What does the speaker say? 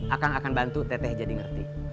akan akan bantu teteh jadi ngerti